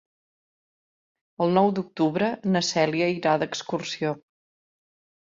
El nou d'octubre na Cèlia irà d'excursió.